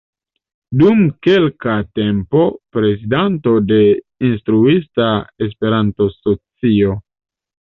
Dum kelka tempo prezidanto de Instruista Esperanto-Socio.